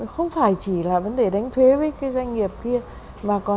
không chỉ là vấn đề đánh thuế với doanh nghiệp kia